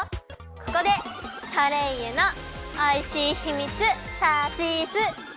ここでソレイユのおいしいひみつ！